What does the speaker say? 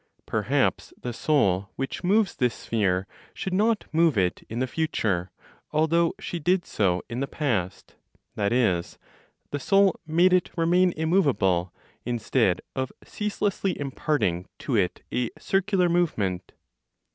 Perhaps the Soul which moves this sphere should not move it in the future, although she did so in the past; that is, the soul made it remain immovable, instead of ceaselessly imparting to it a circular movement.